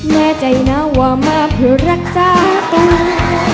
แม่ใจนะว่ามาเพื่อรักษาตัว